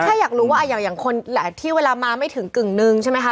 แค่อยากรู้ว่าอย่างคนแหละที่เวลามาไม่ถึงกึ่งหนึ่งใช่ไหมคะ